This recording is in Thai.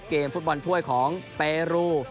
เกมฟุตบอลถ้วยของเปรู